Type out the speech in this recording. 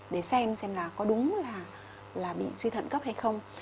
để xem xem là có đúng là bị suy thận cấp hay không